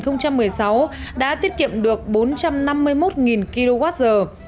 năm hai nghìn một mươi sáu đã tiết kiệm được bốn trăm năm mươi một kilowatt giờ